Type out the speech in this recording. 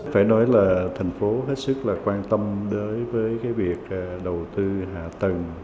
phải nói là thành phố hết sức là quan tâm đối với việc đầu tư hạ tầng